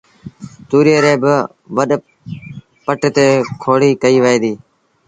تُوريئي ريٚ با وڏُ پٽ تي کوڙيٚ ڪئيٚ وهي ديٚ